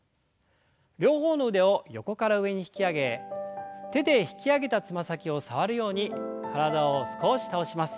両方の腕を横から上に引き上げ手で引き上げたつま先を触るように体を少し倒します。